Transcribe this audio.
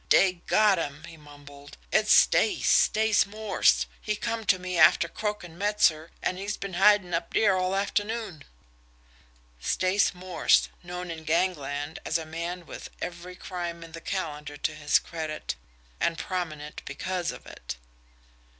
"Dey got him!" he mumbled. "It's Stace Stace Morse. He come to me after croakin' Metzer, an' he's been hidin' up dere all afternoon." Stace Morse known in gangland as a man with every crime in the calendar to his credit, and prominent because of it!